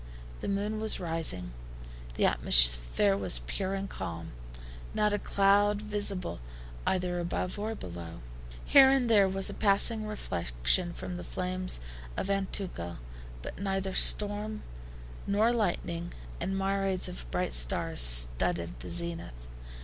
The moon was rising. The atmosphere was pure and calm. Not a cloud visible either above or below. Here and there was a passing reflection from the flames of Antuco, but neither storm nor lightning, and myriads of bright stars studded the zenith.